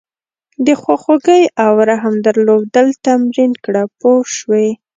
د خواخوږۍ او رحم درلودل تمرین کړه پوه شوې!.